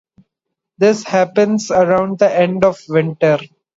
This happens around the end of winter.